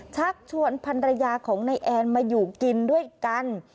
ชักชวนพันรยาของนายแอนมาอยู่กินด้วยกัน